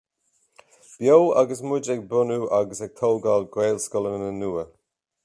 Beo agus muid ag bunú agus ag tógáil Gaelscoileanna nua